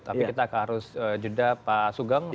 tapi kita harus jeda pak sugeng